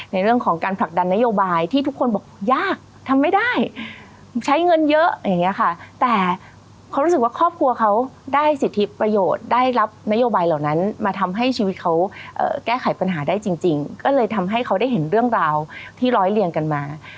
ในเรื่องของการผลักดันนโยบายที่ทุกคนบอกยากทำไม่ได้ใช้เงินเยอะอย่างเงี้ยค่ะแต่เขารู้สึกว่าครอบครัวเขาได้สิทธิประโยชน์ได้รับนโยบายเหล่านั้นมาทำให้ชีวิตเขาแก้ไขปัญหาได้จริงก็เลยทำให้เขาได้เห็นเรื่องราวที่ร้อยเลียงกันมา